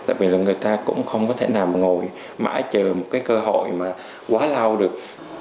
tại vì là người ta cũng không có thể nào ngồi mãi chờ một cơ hội quá lâu được